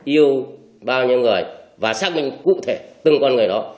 yêu bao nhiêu người và xác minh cụ thể từng con người đó